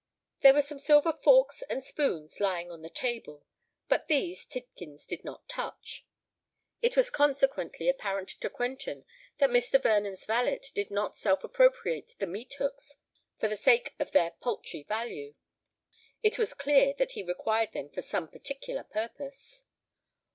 There were some silver forks and spoons lying on the table; but these Tidkins did not touch. It was consequently apparent to Quentin that Mr. Vernon's valet did not self appropriate the meat hooks for the sake of their paltry value: it was clear that he required them for some particular purpose.